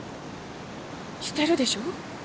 してるでしょ？